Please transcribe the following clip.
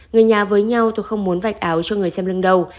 người nhà với nhau tôi không muốn vạch áo cho người xem lưng đầu